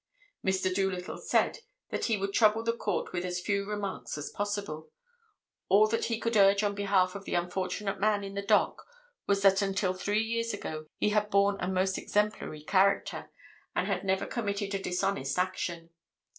"Mr. Doolittle said that he would trouble the Court with as few remarks as possible. All that he could urge on behalf of the unfortunate man in the dock was that until three years ago he had borne a most exemplary character, and had never committed a dishonest action.